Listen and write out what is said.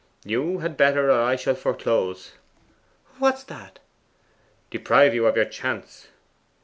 'You had better, or I shall foreclose.' 'What's that!' 'Deprive you of your chance.